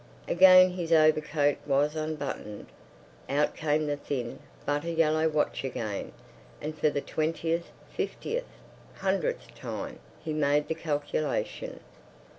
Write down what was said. Again his overcoat was unbuttoned. Out came the thin, butter yellow watch again, and for the twentieth—fiftieth—hundredth time he made the calculation.